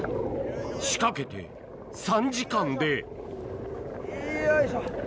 仕掛けて３時間でいよいしょ。